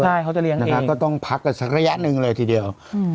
ใช่เขาจะเลี้ยงนะครับก็ต้องพักกันสักระยะหนึ่งเลยทีเดียว